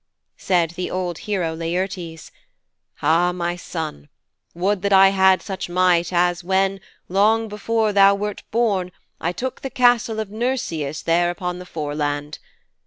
Said the old hero Laertes: 'Ah, my son, would that I had such might as when, long before thou wert born, I took the Castle of Nericus there upon the Foreland.